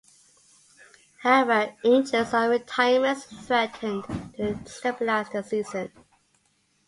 However, injuries and retirements threatened to destabilise the season.